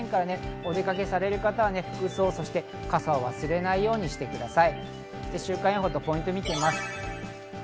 お出かけされる方は服装、傘を忘れないようにしてください。